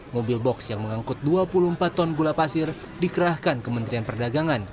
mobil box yang mengangkut dua puluh empat ton gula pasir dikerahkan kementerian perdagangan